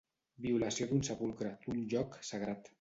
Violació d'un sepulcre, d'un lloc sagrat.